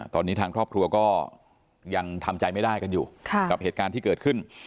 ตอนนี้ทางครอบครัวก็ยังทำใจไม่ได้กันอยู่กับเหตุการณ์ที่เกิดขึ้น